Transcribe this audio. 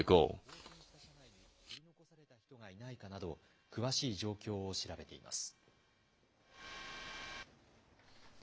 警察と消防が、横転した車内に取り残された人がいないかなど、詳しい状況を調べています。